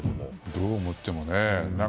どう思ってもね。